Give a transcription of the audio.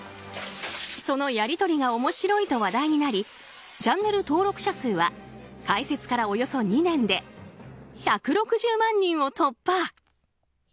そのやり取りが面白いと話題になりチャンネル登録者数は開設からおよそ２年で１６０万人を突破。